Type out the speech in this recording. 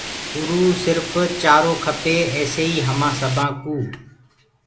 اُروُ سرڦ چآرو کپي ايسيئيٚ همآن سبآن ڪي